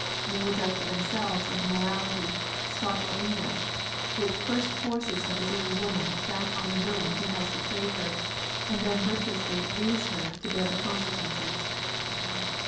They will judge for themselves of the morality (Scotch or English) which first forces a deserted woman back on the villain who has betrayed her, and then virtuously leaves her to bear the consequences."